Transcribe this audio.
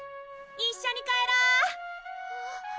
一緒に帰ろうー！